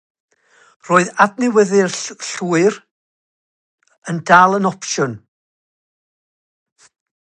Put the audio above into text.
Roedd adnewyddu'n llwyr yn dal yn opsiwn.